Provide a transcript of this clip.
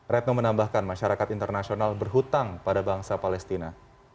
retno menambahkan masyarakat internasional berhutang pada bangsa palestina